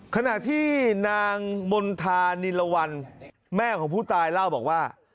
ขณะที่นางมณฑานิรวรรณแม่ของผู้ตายเล่าบอกว่า